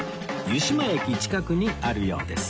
湯島駅近くにあるようです